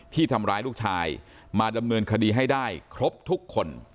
ที่ทำร้ายลูกชายมาดำเนินคดีให้ได้ครบทุกคน